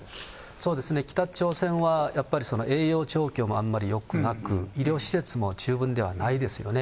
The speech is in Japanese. そうですね、北朝鮮はやっぱり栄養状況もあんまりよくなく、医療施設も十分ではないですよね。